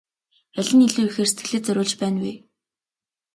Аль нь илүү ихээр сэтгэлээ зориулж байна вэ?